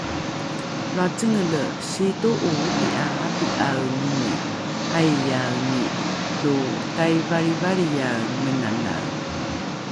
Loa cengele, siito'o opi'a api'aenomi aiyaeni lo Taivalrivalriyae menanae!